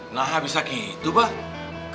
nah bisa gitu pak